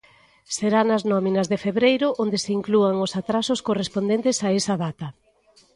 Será nas nóminas de febreiro onde se inclúan os atrasos correspondentes a esa data.